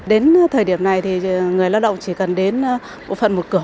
đến thời điểm này thì người lao động chỉ cần đến bộ phận một cửa